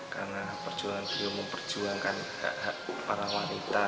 karena perjuangan beliau memperjuangkan para wanita